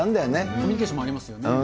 コミュニケーションもありますよね。